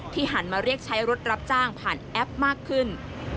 หันมาเรียกใช้รถรับจ้างผ่านแอปมากขึ้น